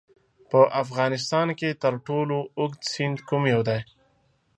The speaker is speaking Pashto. په افغانستان کې تر ټولو اوږد سیند کوم یو دی؟